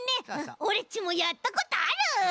オレっちもやったことある！